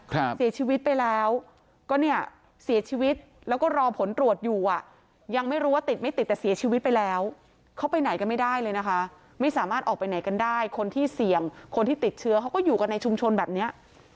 เสียชีวิตไปแล้วก็เนี่ยเสียชีวิตแล้วก็รอผลตรวจอยู่อ่ะยังไม่รู้ว่าติดไม่ติดแต่เสียชีวิตไปแล้วเขาไปไหนกันไม่ได้เลยนะคะไม่สามารถออกไปไหนกันได้คนที่เสี่ยงคนที่ติดเชื้อเขาก็อยู่กันในชุมชนแบบเนี้ย